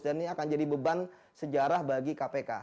dan ini akan jadi beban sejarah bagi kpk